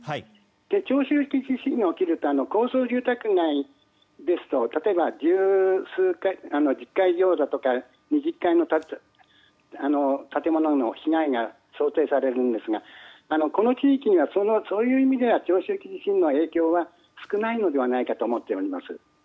長周期地震動が起きると高層住宅街ですと例えば１０階以上とか２０階以上の建物の被害が想定されるんですがこの地域には、そういう意味では長周期地震動の影響が少ないのではないかと思っております。